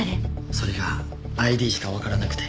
それがＩＤしかわからなくて。